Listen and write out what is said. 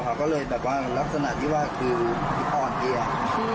แต่ตัวค่ะก็เลยแบบว่ารักษณะที่ว่าคือตอนเกียร์